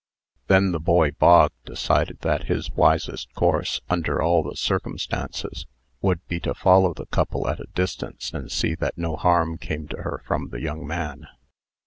Then the boy Bog decided that his wisest course, under all the circumstances, would be to follow the couple at a distance, and see that no harm came to her from the young man.